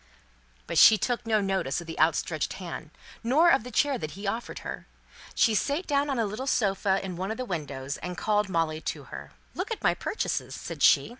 But she took no notice of the outstretched hand, nor of the chair that he offered her. She sate down on a little sofa in one of the windows, and called Molly to her. "Look at my purchases," said she.